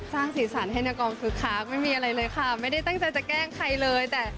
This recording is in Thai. สร้างสีสันให้นากองคึกคักไม่มีอะไรเลยค่ะไม่ได้ตั้งใจจะแกล้งใครเลยแต่